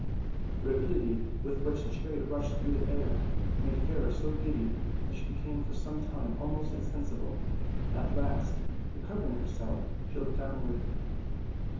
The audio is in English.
The rapidity with which the chariot rushed through the air made Fairer so giddy that she became for some time almost insensible; at last, recovering herself, she looked downward.